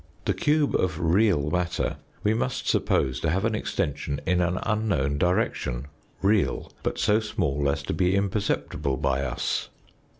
The cube of real matter we must suppose to have an extension in an unknown direction, real, but so small as to be imperceptible by us.